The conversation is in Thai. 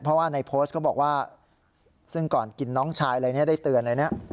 เพราะว่าในโพสต์ก็บอกว่าซึ่งก่อนกินน้องชายอะไรนี้ได้เตือนอะไรเนี่ย